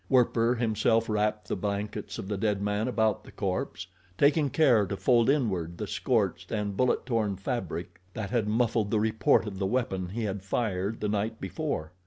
Werper himself wrapped the blankets of the dead man about the corpse, taking care to fold inward the scorched and bullet torn fabric that had muffled the report of the weapon he had fired the night before.